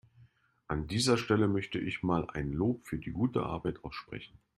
An dieser Stelle möchte ich mal ein Lob für die gute Arbeit aussprechen.